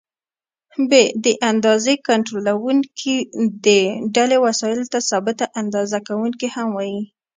ب: د اندازې کنټرولوونکي: دې ډلې وسایلو ته ثابته اندازه کوونکي هم وایي.